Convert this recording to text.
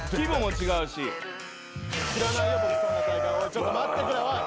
ちょっと待ってくれおい。